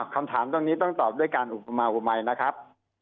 คำถามตรงนี้ต้องตอบด้วยการอุปมาอุมัยนะครับ